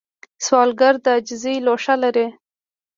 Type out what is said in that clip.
سوالګر د عاجزۍ لوښه لري